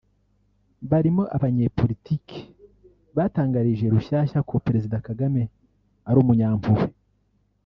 barimo abanyeporitiki batangarije Rushyashya ko Perezida Kagame ari umunyampuhwe